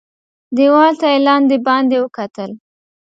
دېوال ته یې لاندي باندي وکتل .